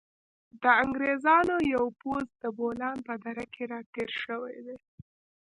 د انګریزانو یو پوځ د بولان په دره کې را تېر شوی دی.